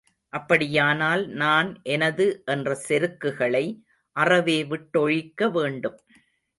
அப்படியானால் நான் எனது என்ற செருக்குகளை அறவே விட்டொழிக்க வேண்டும்.